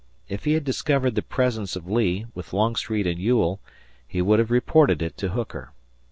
If he had discovered the presence of Lee, with Longstreet and Ewell, he would have reported it to Hooker.